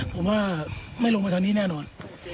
ผมว่าไม่ลงไปทางนี้แน่นอน